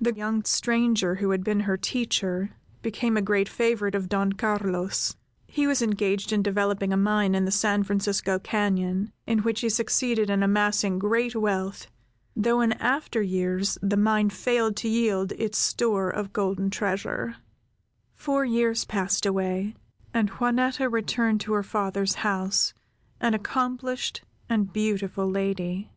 The young stranger who had been her teacher, became a great favorite with Don Carlos. He was engaged in developing a mine, in the San Francisco cañon, in which he succeeded in amassing great wealth, though in after years the mine failed to yield its store of golden treasure. Four years passed away, and Juanetta returned to her father's house, an accomplished, and beautiful lady.